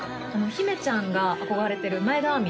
姫ちゃんが憧れてる前田亜美